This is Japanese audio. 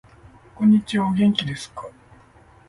こんにちはお元気ですか